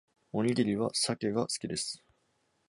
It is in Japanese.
おにぎりはサケが好きです